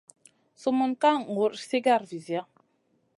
Sumun ka ŋur sigara visia.